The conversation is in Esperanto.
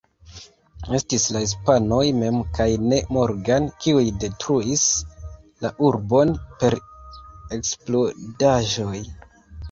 Estis la hispanoj mem kaj ne Morgan, kiuj detruis la urbon per eksplodaĵoj.